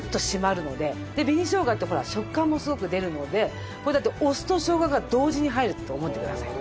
で紅しょうがってほら食感もすごく出るのでこれだってお酢としょうがが同時に入ると思ってください。